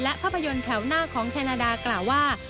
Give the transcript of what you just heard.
และภาพยนตร์แถวหน้าของแคนาดากล่าวว่า